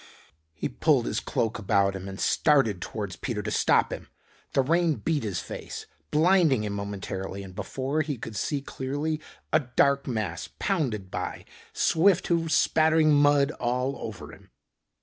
He pulled his cloak about him and started towards Peter to stop him. The rain beat his face, blinding him momentarily, and before he could see clearly a dark mass pounded by, swift hoofs spattering mud all over him.